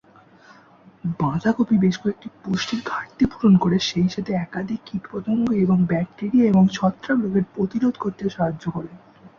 বাঁধাকপি বেশ কয়েকটি পুষ্টির ঘাটতি পূরণ করে, সেইসাথে একাধিক কীটপতঙ্গ, এবং ব্যাকটেরিয়া এবং ছত্রাক রোগের প্রতিরোধ করতে সাহায্য করে।